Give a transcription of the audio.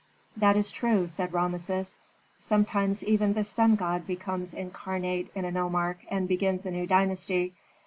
"That is true," said Rameses. "Sometimes even the sun god becomes incarnate in a nomarch and begins a new dynasty.